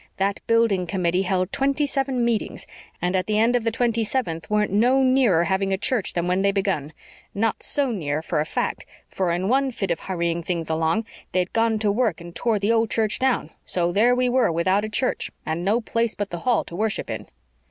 That building committee held twenty seven meetings, and at the end of the twenty seventh weren't no nearer having a church than when they begun not so near, for a fact, for in one fit of hurrying things along they'd gone to work and tore the old church down, so there we were, without a church, and no place but the hall to worship in."